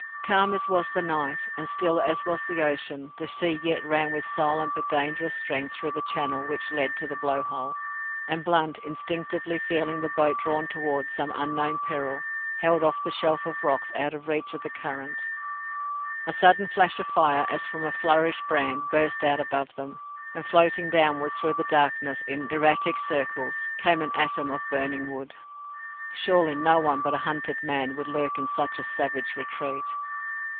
Calm as was the night, and still as was the ocean, the sea yet ran with silent but dangerous strength through the channel which led to the Blow hole; and Blunt, instinctively feeling the boat drawn towards some unknown peril, held off the shelf of rocks out of reach of the current. A sudden flash of fire, as from a flourished brand, burst out above them, and floating downwards through the darkness, in erratic circles, came an atom of burning wood. Surely no one but a hunted man would lurk in such a savage retreat.